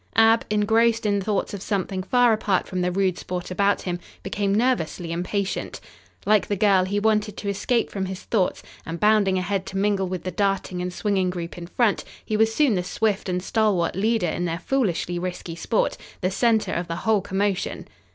Ab, engrossed in thoughts of something far apart from the rude sport about him, became nervously impatient. Like the girl, he wanted to escape from his thoughts, and bounding ahead to mingle with the darting and swinging group in front, he was soon the swift and stalwart leader in their foolishly risky sport, the center of the whole commotion.